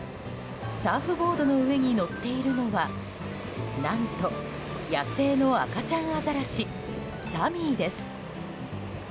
サーフボードの上に乗っているのは何と野生の赤ちゃんアザラシサミーです。